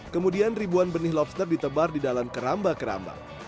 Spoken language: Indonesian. kemudian ribuan benih lobster ditebar di dalam keramba keramba